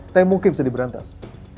tapi mungkin bisa diberantas